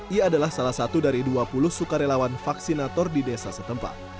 ia adalah salah satu dari dua puluh sukarelawan vaksinator di desa setempat